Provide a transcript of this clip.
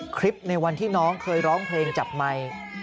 คลิปในวันที่น้องเคยร้องเพลงจับไมค์